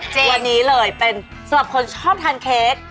ตัวนี้เลยเป็นสำหรับคนชอบทานเค้ก